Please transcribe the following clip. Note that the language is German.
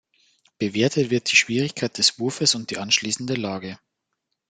Bewertet wird die Schwierigkeit des Wurfes und die anschließende Lage.